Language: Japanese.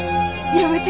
やめて！